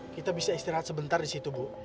kita bisa istirahat sebentar di situ bu